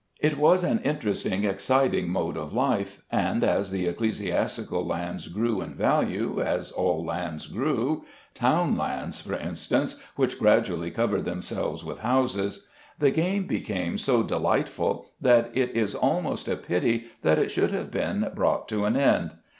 It was an interesting, exciting mode of life, and as the ecclesiastical lands grew in value as all lands grew, town lands, for instance, which gradually covered themselves with houses, the game became so delightful that it is almost a pity that it should have been brought to an end.